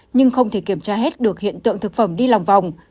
nhưng không thể kiểm tra hết được hiện tượng thực phẩm đi lòng vòng